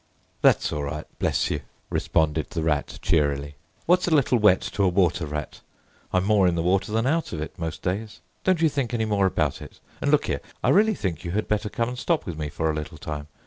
"That's all right, bless you!" responded the Rat cheerily. "What's a little wet to a Water Rat? I'm more in the water than out of it most days. Don't you think any more about it; and, look here! I really think you had better come and stop with me for a little time.